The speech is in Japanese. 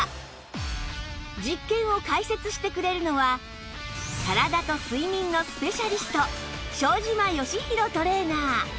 実験を解説してくれるのは体と睡眠のスペシャリスト庄島義博トレーナー